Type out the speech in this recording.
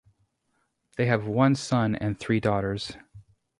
They have one son and three daughters.